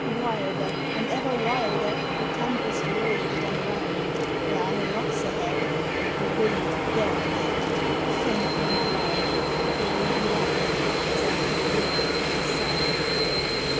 Wilder and ever wilder The tempest raged and rang, "There are rocks ahead, and the wind dead aft, Thank you, my love!" the lady laughed As unto the wind she sang.